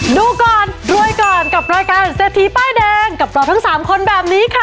ดูก่อนรวยก่อนกับรายการเศรษฐีป้ายแดงกับเราทั้ง๓คนแบบนี้ค่ะ